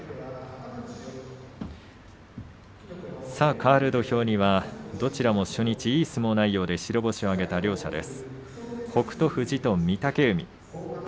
かわる土俵にはどちらも初日いい相撲内容で白星を挙げた両者です。